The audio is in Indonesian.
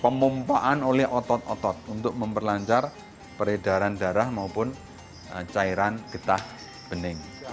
jadi muscle pumping pemumpaan oleh otot otot untuk memperlancar peredaran darah maupun cairan getah bening